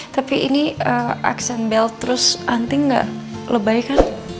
tapi ini accent belt terus anting gak lebay kan